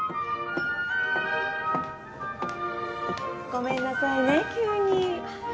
ごめんなさいね急に。